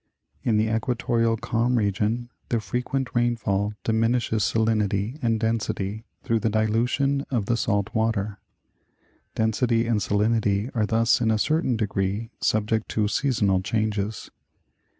In the equatorial calm region the frequent rainfall diminishes salin ity and density through the dilution of the salt water. Density and salinity are thus in a certain degree subject to seasonal changes.